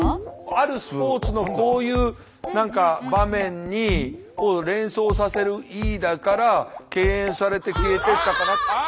あるスポーツのこういう何か場面に連想させるＥだから敬遠されて消えてったからっていう説があるんですよ。